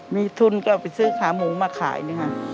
มีทุนก็ไปซื้อขาหมูมาขายนะคะ